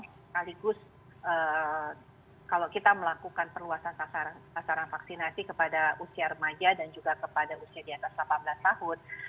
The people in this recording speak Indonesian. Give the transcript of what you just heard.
sekaligus kalau kita melakukan perluasan tasaran vaksinasi kepada usia remaja dan juga kepada usia di atas delapan belas tahun